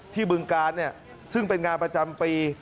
ที่บึงการเนี่ยซึ่งเป็นงานประจำปี